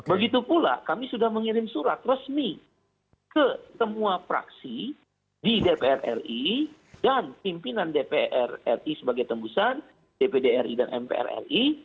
dan yang kedua adalah kami sudah mengirim surat resmi ke semua praksi di dpr ri dan pimpinan dpr ri sebagai tembusan dpd ri dan mpr ri